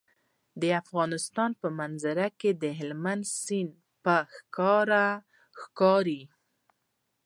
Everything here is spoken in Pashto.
د افغانستان په منظره کې هلمند سیند په ښکاره ښکاري.